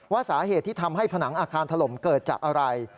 สาเหตุที่ทำให้ผนังอาคารถล่มเกิดจากอะไร